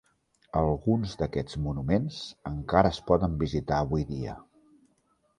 Alguns d'aquests monuments encara es poden visitar avui dia.